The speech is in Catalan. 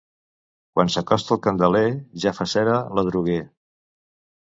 Quan s'acosta el Candeler ja fa cera l'adroguer.